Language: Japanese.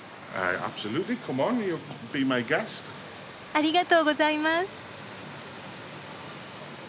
ありがとうございます。